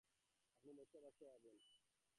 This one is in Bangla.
আপনি বসিয়া বসিয়া ভাবুন।